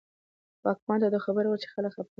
واکمن ته خبر ورغی چې خلک خپه دي.